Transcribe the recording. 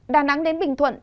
đà nẵng đến bình thuận